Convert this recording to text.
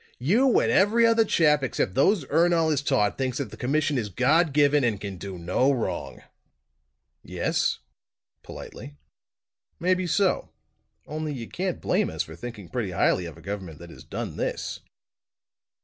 "You and every other chap except those Ernol has taught, thinks that the commission is God given and can do no wrong!" "Yes?" politely. "Maybe so; only, you can't blame us for thinking pretty highly of a government that has done this."